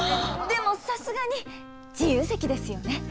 でもさすがに自由席ですよね？